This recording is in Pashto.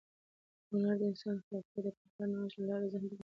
هنر د انساني خلاقیت، ابتکار او نوښت له لارې ذهن پراخوي.